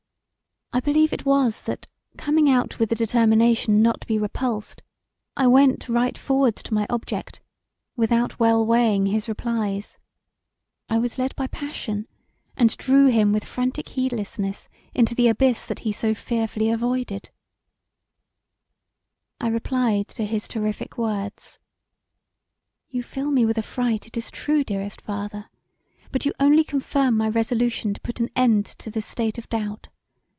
I believe it was that coming out with a determination not to be repulsed I went right forward to my object without well weighing his replies: I was led by passion and drew him with frantic heedlessness into the abyss that he so fearfully avoided I replied to his terrific words: "You fill me with affright it is true, dearest father, but you only confirm my resolution to put an end to this state of doubt.